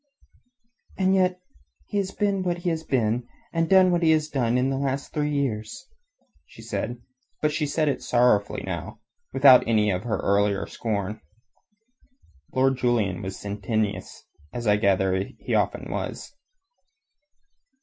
"And yet he has been what he has been and done what he has done in these last three years," said she, but she said it sorrowfully now, without any of her earlier scorn. Lord Julian was sententious, as I gather that he often was.